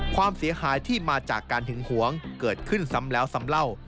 ความเสียหายที่มาจากการหึงหวงเกิดขึ้นซ้ำแล้วซ้ำเล่า